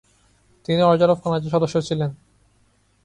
তিনি order of কানাডার সদস্য ছিলেন।